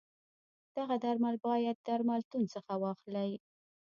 دغه درمل باید درملتون څخه واخلی.